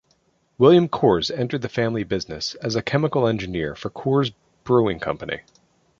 William Coors entered the family business as a chemical engineer for Coors Brewing Company.